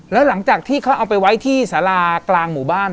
แล้วหลังจากที่เขาเอาไปไว้ที่สารากลางหมู่บ้าน